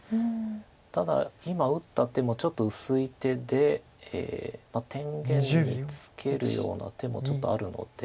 ただ今打った手もちょっと薄い手で天元にツケるような手もちょっとあるので。